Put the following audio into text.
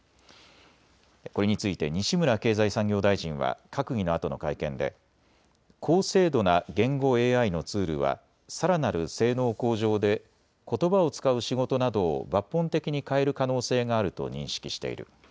これについて西村経済産業大臣は閣議のあとの会見で高精度な言語ＡＩのツールはさらなる性能向上でことばを使う仕事などを抜本的に変える可能性があると認識している。